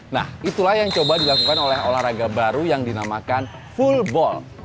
nah itulah yang coba dilakukan oleh olahraga baru yang dinamakan fullball